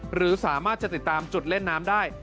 หรือสามารถจะติดตามจุดเล่นน้ำได้